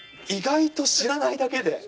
意外と知らないだけで？